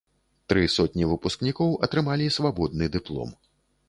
Тры сотні выпускнікоў атрымалі свабодны дыплом.